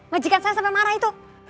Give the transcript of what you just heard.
majikan saya sampai marah itu